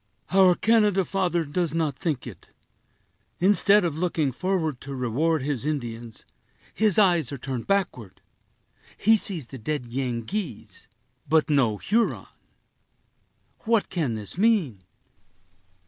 "Our Canada father does not think it. Instead of looking forward to reward his Indians, his eyes are turned backward. He sees the dead Yengeese, but no Huron. What can this mean?"